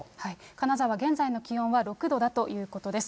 金沢、現在の気温は６度だということです。